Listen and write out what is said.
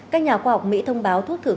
các nhà khoa học mỹ thông báo thuốc thử